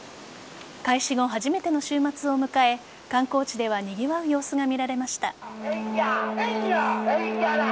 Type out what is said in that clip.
開始後、初めての週末を迎え観光地ではにぎわう様子が見られました。